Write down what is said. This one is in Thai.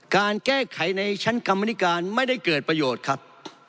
การแก้ไขในชั้นกรรมนิการไม่ได้เกิดประโยชน์ครับ